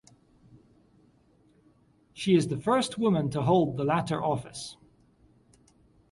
She is the first woman to hold the latter office.